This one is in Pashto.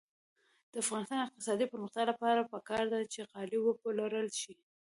د افغانستان د اقتصادي پرمختګ لپاره پکار ده چې غالۍ وپلورل شي.